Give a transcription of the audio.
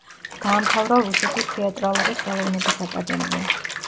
დაამთავრა რუსეთის თეატრალური ხელოვნების აკადემია.